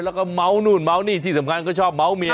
แล้วก็เมานู่นเมานี่ที่สำคัญก็ชอบเมาส์เมีย